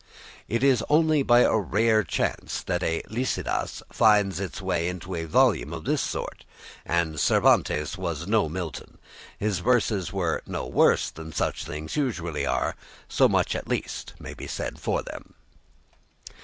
It is only by a rare chance that a "Lycidas" finds its way into a volume of this sort, and Cervantes was no Milton. His verses are no worse than such things usually are; so much, at least, may be said for them.